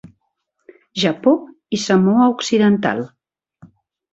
Japó i Samoa Occidental.